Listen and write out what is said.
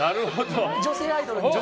女性アイドルに。